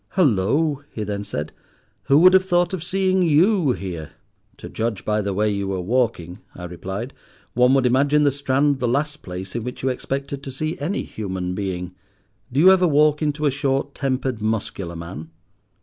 "Halloo," he then said, "who would have thought of seeing you here?" "To judge by the way you were walking," I replied, "one would imagine the Strand the last place in which you expected to see any human being. Do you ever walk into a short tempered, muscular man?"